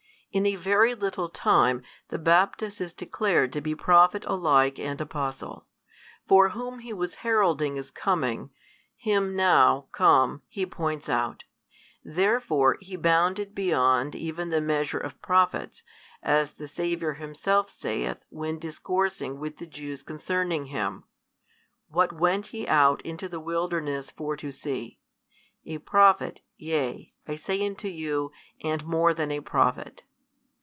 In a very little time, the Baptist is declared to be Prophet alike and Apostle. For Whom he was heralding as coming, Him now come he points out. Therefore, he bounded beyond even the measure of prophets, as the Saviour Himself saith when discoursing with the Jews concerning him, What went ye out into the wilderness for to see? A prophet, yea, I say unto you and more than a prophet.